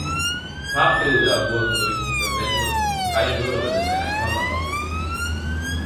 Farbbilder wurden durch die Verwendung von drei Röhren in einer Kamera möglich.